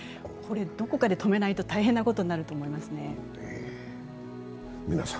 どこかで止めないと大変なことになると思いますね。